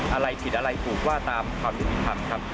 อะไรผิดอะไรถูกว่าตามความยุติธรรมครับ